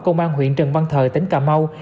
công an huyện trần văn thời tỉnh cà mau